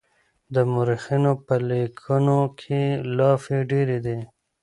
د مورخينو په ليکنو کې لافې ډېرې دي.